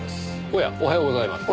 おやおはようございます。